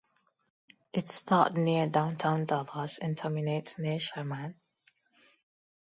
It starts near downtown Dallas and terminates near Sherman.